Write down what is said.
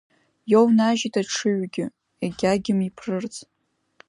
Иоунажьит аҽыҩгьы, егьагым иԥрырц.